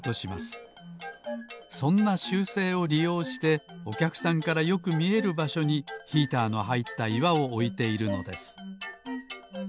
そんな習性をりようしておきゃくさんからよくみえるばしょにヒーターのはいったいわをおいているのです